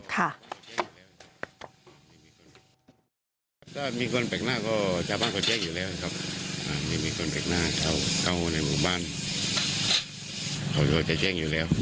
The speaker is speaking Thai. ต้องมาแจ้งเช่งอยู่นั้น